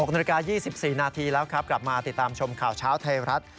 ๖นาฬิกา๒๔นาทีแล้วครับกลับมาติดตามชมข่าวเช้าไทยรัฐ